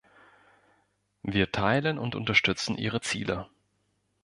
Wir teilen und unterstützen ihre Ziele.